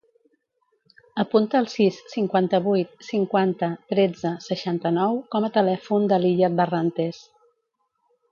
Apunta el sis, cinquanta-vuit, cinquanta, tretze, seixanta-nou com a telèfon de l'Iyad Barrantes.